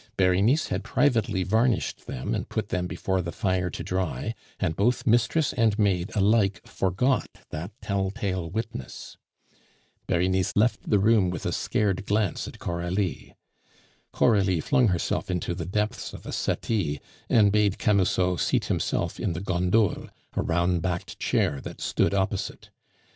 Berenice had privately varnished them, and put them before the fire to dry; and both mistress and maid alike forgot that tell tale witness. Berenice left the room with a scared glance at Coralie. Coralie flung herself into the depths of a settee, and bade Camusot seat himself in the gondole, a round backed chair that stood opposite.